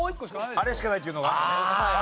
あれしかないっていうのがあるんだね？